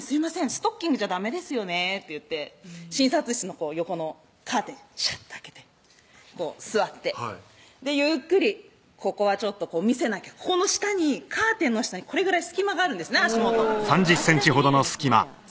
「ストッキングじゃダメですよね」って言って診察室の横のカーテンシャッて開けてこう座ってゆっくりここはちょっと見せなきゃこの下にカーテンの下にこれぐらい隙間があるんです足元脚だけ見えるんですね